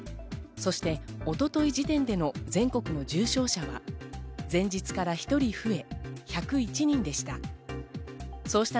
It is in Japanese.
そして一昨日時点での全国の重症者は前日から１人増え、１０１人でした。